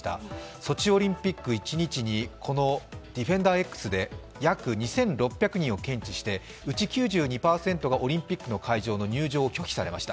ソチオリンピック一日にこのＤＥＦＥＮＤＥＲ−Ｘで約２６００人を検知して、うち９２％がオリンピックの会場の入場を拒否されました。